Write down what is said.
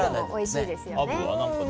おいしいですよね。